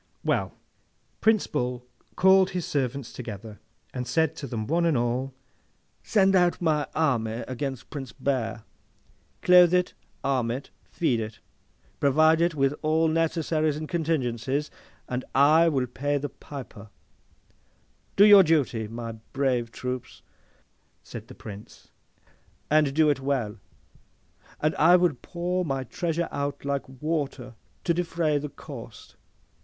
Well; Prince Bull called his servants together, and said to them one and all, 'Send out my army against Prince Bear. Clothe it, arm it, feed it, provide it with all necessaries and contingencies, and I will pay the piper! Do your duty by my brave troops,' said the Prince, 'and do it well, and I will pour my treasure out like water, to defray the cost.